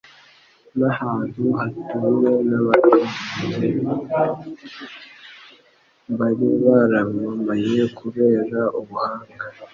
n'ahantu hatuwe n'abanyabwenge bari baramamaye kubera ubuhanga,